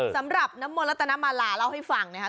สำหรับน้ำมนต์รัตนมาลาเล่าให้ฟังนะครับ